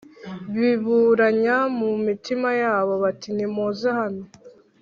biburanya mu mitima yabo bati nimuze hano